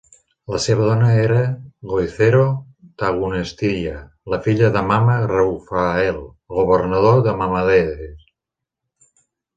La seva dona era Woizero Tagunestiya, la filla de Mama Rufa'el, governador de Mamameder.